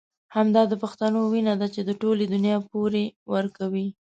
همدا د پښتنو وينه ده چې د ټولې دنيا پور ورکوي.